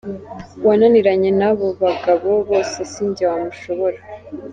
Uwananiranye n’abo bagabo bose sijye wamushobora.